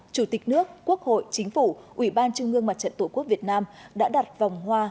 chủ tịch nước quốc hội chính phủ ủy ban trung ương mặt trận tổ quốc việt nam đã đặt vòng hoa